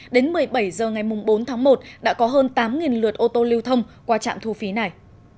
đến một mươi bảy h ngày bốn tháng một đã có hơn tám lượt ô tô lưu thông qua trạm thu phí này